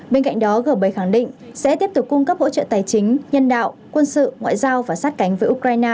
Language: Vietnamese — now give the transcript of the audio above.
bên cạnh đó g bảy khẳng định sẽ tiếp tục cung cấp hỗ trợ tài chính nhân đạo quân sự ngoại giao và sát cánh với ukraine